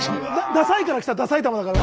「ダサい」から来た「ダ埼玉」だからな。